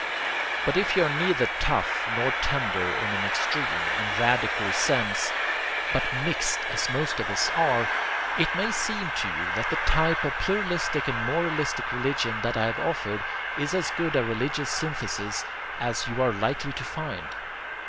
But if you are neither tough nor tender in an extreme and radical sense, but mixed as most of us are, it may seem to you that the type of pluralistic and moralistic religion that I have offered is as good a religious synthesis as you are likely to find.